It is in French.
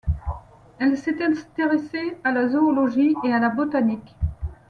Elle s'est intéressée à la zoologie et à la botanique.